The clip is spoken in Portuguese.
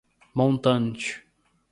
montante